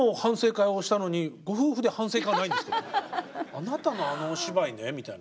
あなたのあのお芝居ねみたいな。